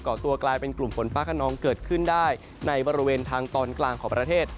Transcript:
ตัวกลายเป็นกลุ่มฝนฟ้าขนองเกิดขึ้นได้ในบริเวณทางตอนกลางของประเทศ